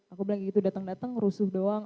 aku bilang gitu dateng dateng rusuh doang